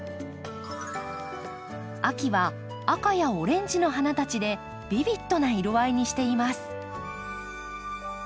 秋は赤やオレンジの花たちでビビッドな色合いにしています。